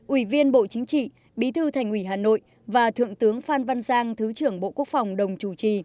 ủy viên bộ chính trị bí thư thành ủy hà nội và thượng tướng phan văn giang thứ trưởng bộ quốc phòng đồng chủ trì